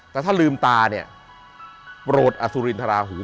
แต่ถ้าลืมตาเนี่ยโปรดอสุรินทราหู